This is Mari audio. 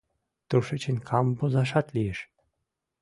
Тушечын камвозашат лиеш.